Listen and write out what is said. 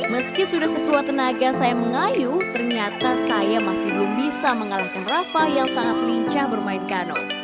meski sudah setua tenaga saya mengayu ternyata saya masih belum bisa mengalahkan rafa yang sangat lincah bermain kano